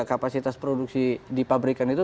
kapasitas produksi di pabrikan itu